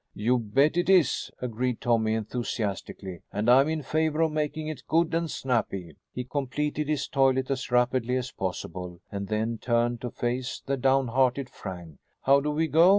"You bet it is!" agreed Tommy enthusiastically, "and I'm in favor of making it good and snappy." He completed his toilet as rapidly as possible and then turned to face the down hearted Frank. "How do we go?